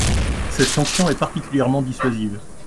Cette sanction est particulièrement dissuasive.